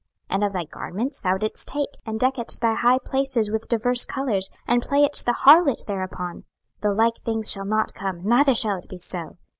26:016:016 And of thy garments thou didst take, and deckedst thy high places with divers colours, and playedst the harlot thereupon: the like things shall not come, neither shall it be so.